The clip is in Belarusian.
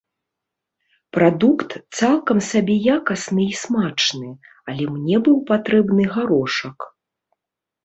Прадукт цалкам сабе якасны і смачны, але мне быў патрэбны гарошак.